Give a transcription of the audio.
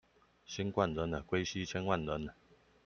新冠人，歸西千萬人